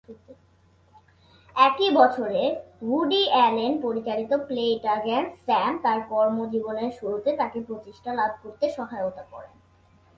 একই বছরে Woody Allen পরিচালিত "প্লে ইট অ্যাগেইন, স্যাম" তার কর্মজীবনের শুরুতে তাকে প্রতিষ্ঠা লাভ করতে সহায়তা করে।